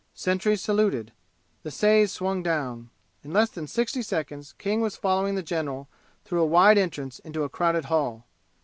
Sentries saluted. The sais swung down. In less than sixty seconds King was following the general through a wide entrance into a crowded hall.